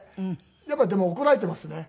やっぱりでも怒られていますね。